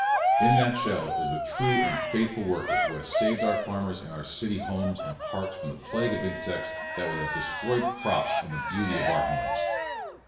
In that shell is the true and faithful worker who has saved our farmers and our city homes and parks from the plagues of insects that would have destroyed crops and the beauty of our homes.